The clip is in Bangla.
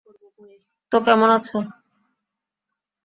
তো কেমন আছো?